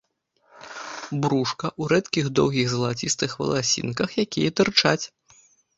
Брушка ў рэдкіх доўгіх залацістых валасінках, якія тырчаць.